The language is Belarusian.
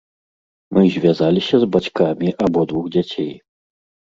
Мы звязаліся з бацькамі абодвух дзяцей.